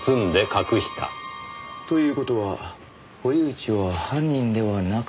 という事は堀内は犯人ではなかった。